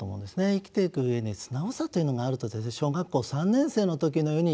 生きていく上で素直さというのがあると小学校３年生の時のようにイキイキ生きられる。